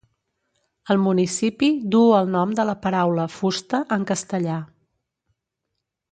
El municipi duu el nom de la paraula "fusta" en castellà.